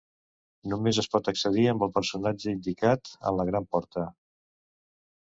Només es pot accedir amb el personatge indicat en la gran porta.